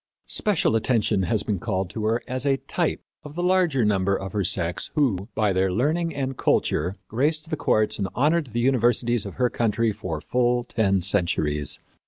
Special attention has been called to her as a type of the large number of her sex who, by their learning and culture, graced the courts and honored the universities of her country for full ten centuries.